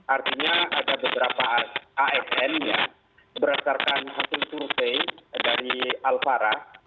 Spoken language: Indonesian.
artinya ada beberapa asn yang berdasarkan hasil survei dari alfara